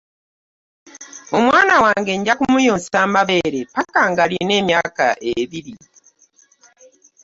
Omwana wange nja kumuyonsa ebeere paka nga alina emyaka ebiri.